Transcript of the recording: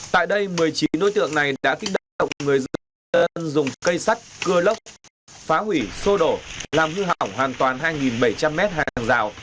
tại đây một mươi chín đối tượng này đã kích động người dân dùng cây sắt cưa lốc phá hủy xô đổ làm hư hỏng hoàn toàn hai bảy trăm linh mét hàng rào